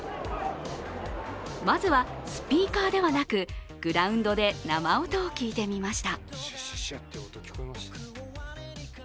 まずは、スピーカーではなくグラウンドで生音を聞いてみました。